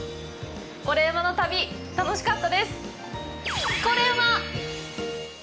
「コレうまの旅」、楽しかったです。